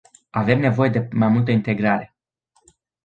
Avem nevoie de mai multă integrare.